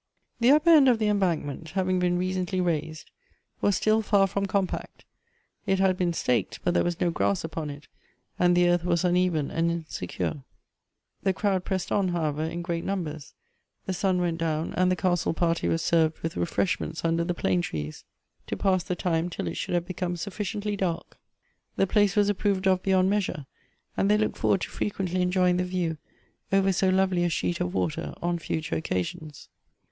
The upper end of the embankment having been re cently raised, was still far from compact. It had been staked, but there was no grass upon it, and the earth was uneven and insecure. The crowd pressed on, however, in great numbers. The sun went down, and the castle party was served with refreshments under the plane trees, Elective Affinities. 123 to pass the time till it should have become sufficiently dark. The place was approved of beyond measure, and they looked forward to frequently enjoying the view over so lovely a sheet of water, on future occasions.